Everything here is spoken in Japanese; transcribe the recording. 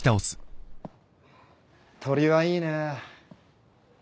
鳥はいいね。